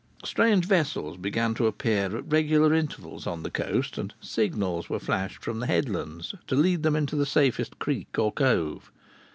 Strange vessels began to appear at regular intervals on the coast, and signals were flashed from the headlands to lead them into the safest creek or cove.